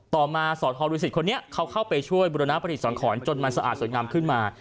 ต่อมาสธรุศิษย์คนนี้เขาเข้าไปช่วยบุรณปฏิสังขรจนมันสะอาดสวยงามขึ้นมา